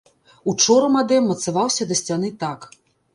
Учора мадэм мацаваўся да сцяны так.